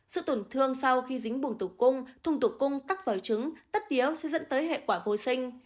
sự tuần thương sau khi dính bùng tủ cung thùng tủ cung tắc vào trứng tất yếu sẽ dẫn tới hệ quả vô sinh